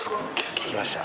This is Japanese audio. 聞きました？